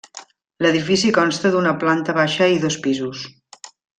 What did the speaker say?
L'edifici consta d'una planta baixa i dos pisos.